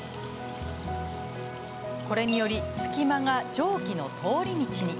これにより隙間が蒸気の通り道に。